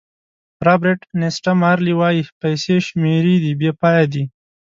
رابرټ نیسټه مارلې وایي پیسې شمېرې دي بې پایه دي.